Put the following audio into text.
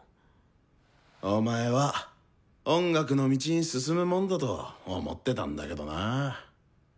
お前は音楽の道に進むもんだと思ってたんだけどなぁ。